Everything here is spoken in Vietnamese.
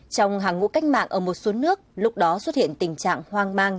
trong hàng ngũ cách mạng ở một số nước lúc đó xuất hiện tình trạng hoang mang